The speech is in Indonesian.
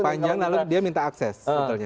panjang lalu dia minta akses